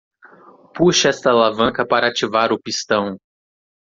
Puxe esta alavanca para ativar o pistão.